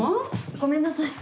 ごめんなさい。